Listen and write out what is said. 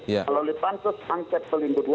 kalau di pansus angket p dua